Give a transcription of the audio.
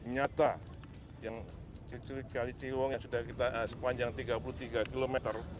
nyata yang ciliwung yang sepanjang tiga puluh tiga km